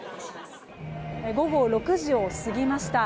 午後６時を過ぎました。